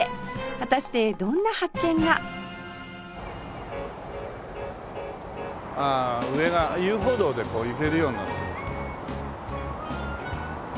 果たしてどんな発見がああ上が遊歩道でこう行けるようになってる。